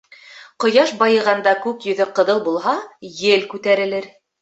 Ҡояш байығанда күк йөҙө ҡыҙыл булһа, ел күтәрелер.